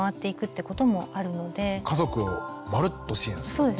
家族をまるっと支援するっていう。